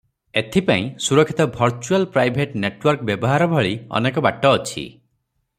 ଏଥି ପାଇଁ ସୁରକ୍ଷିତ "ଭର୍ଚୁଆଲ ପ୍ରାଇଭେଟ ନେଟୱାର୍କ" ବ୍ୟବହାର ଭଳି ଅନେକ ବାଟ ଅଛି ।